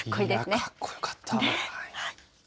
かっこよかった。